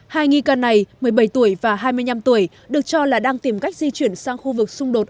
hai nghi can này một mươi bảy tuổi và hai mươi năm tuổi được cho là đang tìm cách di chuyển sang khu vực xung đột